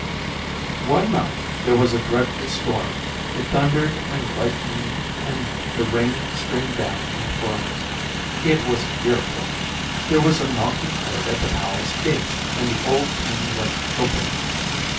One night there was a dreadful storm; it thundered and lightened and the rain streamed down in torrents. It was fearful! There was a knocking heard at the Palace gate, and the old King went to open it.